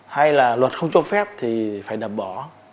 hay là luật không cho phép thì phải đập bỏ